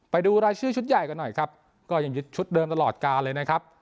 ไปดูรายชื่อชุดใหญ่กันหน่อยครับก็ยังยึดชุดเดิมตลอดการเลยนะครับ